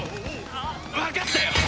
わかったよ！